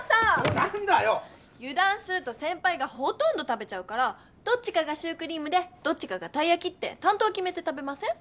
なんだよ⁉ゆだんするとせんぱいがほとんど食べちゃうからどっちかがシュークリームでどっちかがたいやきってたん当きめて食べません？